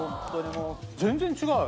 全然違う。